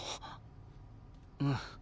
うん。